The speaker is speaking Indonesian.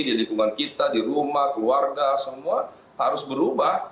di lingkungan kita di rumah keluarga semua harus berubah